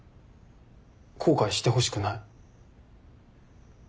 後悔してほしくない。